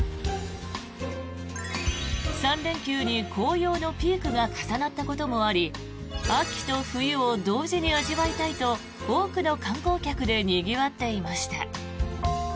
３連休に紅葉のピークが重なったこともあり秋と冬を同時に味わいたいと多くの観光客でにぎわっていました。